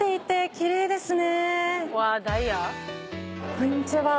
こんにちは。